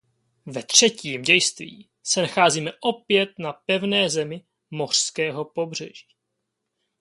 Ve třetím dějství se nacházíme opět na pevné zemi mořského pobřeží.